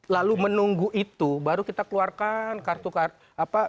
lalu menunggu itu baru kita keluarkan kartu kartu apa